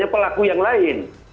pelaku yang lain